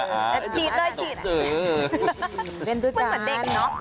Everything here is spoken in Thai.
จี๊ดเล่นด้วยกันเล่นเหมือนเด็กน้อง